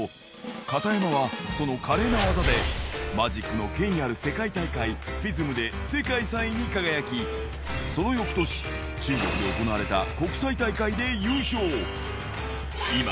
片山は、その華麗な技で、マジックの権威ある世界大会、フィズムで世界３位に輝き、そのよくとし、中国で行われた国際大会で優勝。